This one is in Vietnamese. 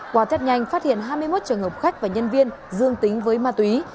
qua tết nhanh phát hiện hai mươi một trường hợp khách và nhân viên dương tính với ma túy